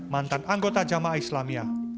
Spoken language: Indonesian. mantan anggota jamaah islamiyah